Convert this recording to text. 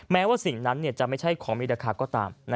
แม้ว่าสิ่งนั้นจะไม่ใช่ของมีราคาก็ตาม